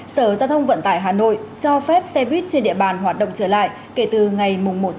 sở gia thông vận tải hà nội cho phép xe buýt trên địa bàn hoạt động trở lại kể từ ngày một một mươi